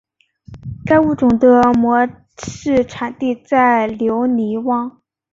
该物种的模式产地在留尼汪。